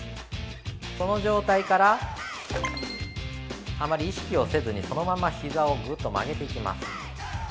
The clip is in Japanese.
その状態から、あまり意識をせずにそのまま膝をぐっと曲げていきます。